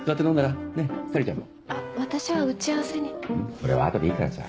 それは後でいいからさ。